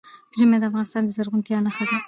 ژمی د افغانستان د زرغونتیا نښه ده.